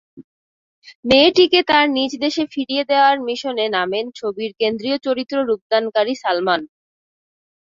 মেয়েটিকে তার নিজদেশে ফিরিয়ে দেওয়ার মিশনে নামেন ছবির কেন্দ্রীয় চরিত্র রূপদানকারী সালমান।